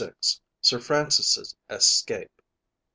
SIR FRANCIS' ESCAPE.